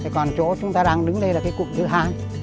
còn chỗ chúng ta đang đứng đây là cái cục thứ hai